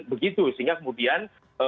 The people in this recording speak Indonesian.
begitu sehingga kemudian